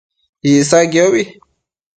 Icsaquiobi